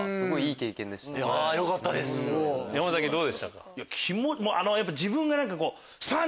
山崎どうでしたか？